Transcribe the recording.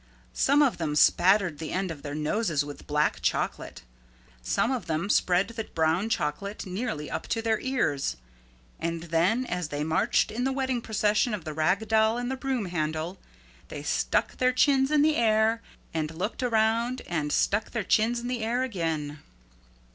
Some of them spattered the ends of their noses with black chocolate. Some of them spread the brown chocolate nearly up to their ears. And then as they marched in the wedding procession of the Rag Doll and the Broom Handle they stuck their chins in the air and looked around and stuck their chins in the air again.